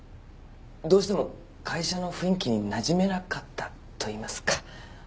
どうしても会社の雰囲気になじめなかったといいますか。